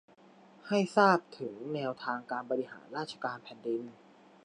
ให้ทราบถึงแนวทางการบริหารราชการแผ่นดิน